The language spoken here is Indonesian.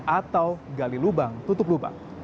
atau gali lubang tutup lubang